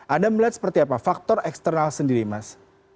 anda melihat seperti apa faktor eksternal sendiri mas